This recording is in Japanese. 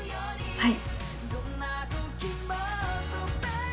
はい！